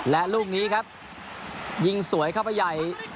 และลูกนี้ครับยิงสวยเข้าไปใหญ่